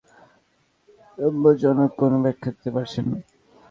সাধারণ মানুষের প্রশ্নের জবাবে তাঁরা সন্তোষজনক কোনো ব্যাখ্যা দিতে পারছেন না।